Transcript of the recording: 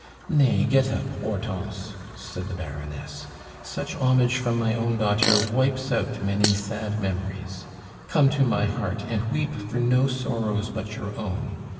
"Nay, get up, Hortense," said the Baroness. "Such homage from my daughter wipes out many sad memories. Come to my heart, and weep for no sorrows but your own.